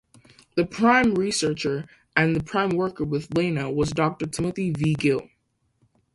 The prime researcher, and the prime worker with Lana was Doctor Timothy V. Gill.